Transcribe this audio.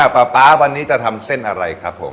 ป๊าป๊าวันนี้จะทำเส้นอะไรครับผม